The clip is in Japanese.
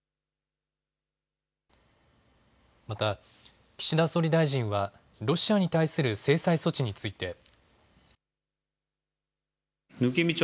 また岸田総理大臣はロシアに対する制裁措置について。